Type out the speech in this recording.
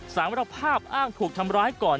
สารภาพอ้างถูกทำร้ายก่อน